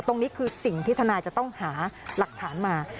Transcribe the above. ตรงนี้คือสิ่งที่ทนายจะต้องหาหลักฐานมา